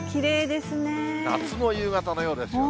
夏の夕方のようですよね。